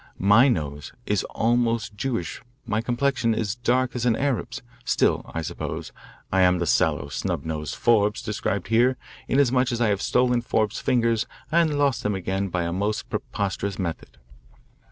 My nose is almost Jewish my complexion is dark as an Arab's. Still, I suppose I am the sallow, snub nosed Forbes described here, inasmuch as I have stolen Forbes's fingers and lost them again by a most preposterous method."